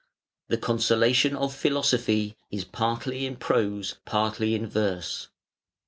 ] The "Consolation of Philosophy" is partly in prose, partly in verse.